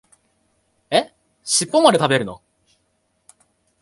え、しっぽまで食べるの？